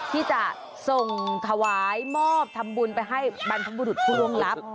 ที่จะส่งถวายมอบทำบุญไปให้บรรพบุรุษผู้ล่วงลับ